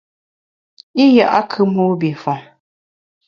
I ya’kù mobifon.